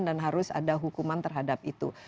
dan harus ada hukuman terhadap itu